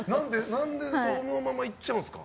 何でそのままいっちゃうんですか？